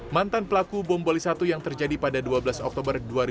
mantan pelaku bombali satu yang terjadi pada dua belas oktober dua ribu dua